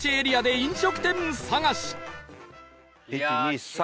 １２３。